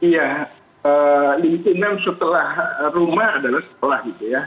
ya lebih ke dalam setelah rumah adalah setelah gitu ya